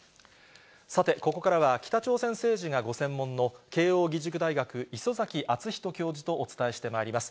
さて、ここからは北朝鮮政治がご専門の慶応義塾大学、礒崎敦仁教授とお伝えしてまいります。